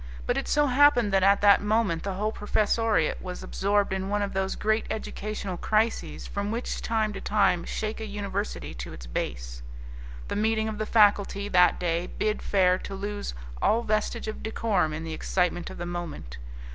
But it so happened that at that moment the whole professoriate was absorbed in one of those great educational crises which from time to time shake a university to its base. The meeting of the faculty that day bid fair to lose all vestige of decorum in the excitement of the moment.